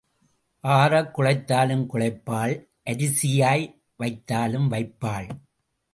ஆறக் குழைத்தாலும் குழைப்பாள் அரிசியாய் வைத்தாலும் வைப்பாள்.